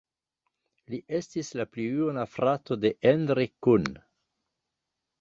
Li estis la pli juna frato de Endre Kun.